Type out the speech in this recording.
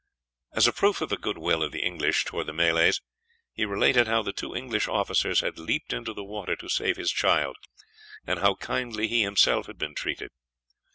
As a proof of the good will of the English towards the Malays, he related how the two English officers had leaped into the water to save his child, and how kindly he himself had been treated.